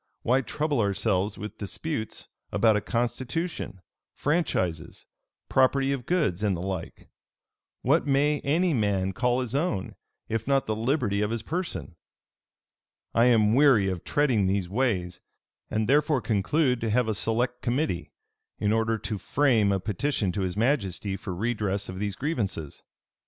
why trouble ourselves with disputes about a constitution, franchises, property of goods, and the like? What may any man call his own, if not the liberty of his person? "I am weary of treading these ways; and therefore conclude to have a select committee, in order to frame a petition to his majesty for redress of these grievances.